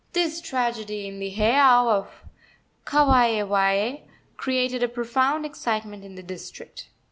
This tragedy in the heiau of Kawaewae created a profound excitement in the district.